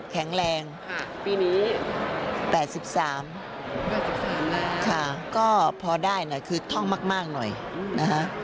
แข็งแรงปีนี้๘๓ค่ะก็พอได้หน่อยคือท่องมากหน่อยนะคะ